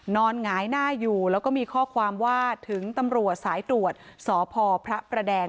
หงายหน้าอยู่แล้วก็มีข้อความว่าถึงตำรวจสายตรวจสพพระประแดง